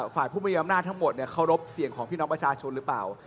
ฝาดผู้มี้อนาคตทั้งหมดเค้ารสบเห็นเสียงของพี่น้องประชาชนหรือเปล่า